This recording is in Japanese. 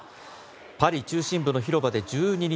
パリ中心部の広場で１２日